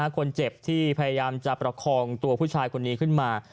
คนเจ็บที่พยายามจะประคองตัวผู้ชายคนนี้ขึ้นมา